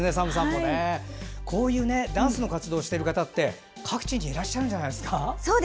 こういうダンスの活動してる方って各地にいらっしゃるんじゃないですか。